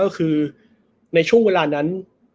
ก็คือในช่วงเวลานั้น